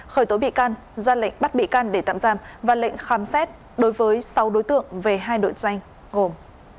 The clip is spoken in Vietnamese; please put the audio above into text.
khởi tố bị can ra lệnh bắt bị can để tạm giam và lệnh khám xét đối với sáu đối tượng về hai đội danh gồm